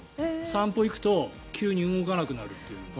散歩に行くと急に動かなくなるという。